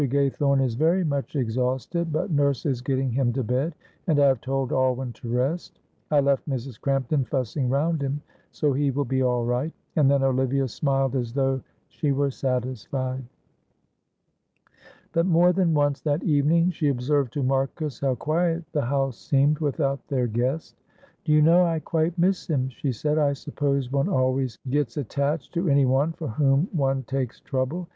Gaythorne is very much exhausted, but nurse is getting him to bed, and I have told Alwyn to rest. I left Mrs. Crampton fussing round him, so he will be all right," and then Olivia smiled as though she were satisfied. But more than once that evening she observed to Marcus how quiet the house seemed without their guest. "Do you know I quite miss him," she said. "I suppose one always get attached to any one for whom one takes trouble.